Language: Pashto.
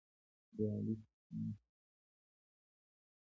ګاونډي ته ښه نیت لرل ایمان ده